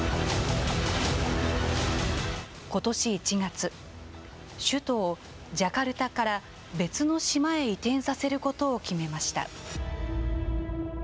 ことし１月、首都をジャカルタから別の島へ移転させることを決めました。